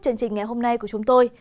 chương trình ngày hôm nay của chúng tôi